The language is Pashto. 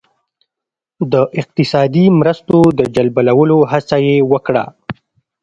د اقتصادي مرستو د جلبولو هڅه یې وکړه.